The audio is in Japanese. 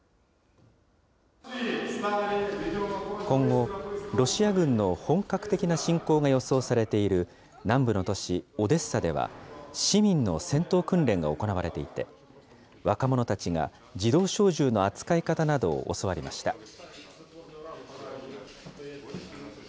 今後、ロシア軍の本格的な侵攻が予想されている南部の都市オデッサでは、市民の戦闘訓練が行われていて、若者たちが自動小銃の扱い方などを教わりました。